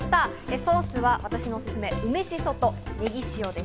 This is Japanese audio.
ソースは私のおすすめ、梅しそとねぎ塩です。